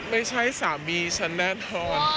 ไม่ใช่สามีฉันแน่นอน